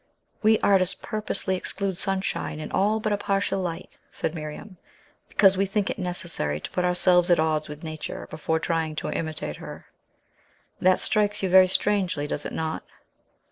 "We artists purposely exclude sunshine, and all but a partial light," said Miriam, "because we think it necessary to put ourselves at odds with Nature before trying to imitate her. That strikes you very strangely, does it not?